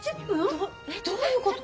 どどういうこと？